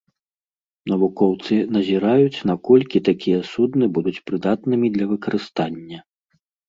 Навукоўцы назіраюць, наколькі такія судны будуць прыдатнымі для выкарыстання.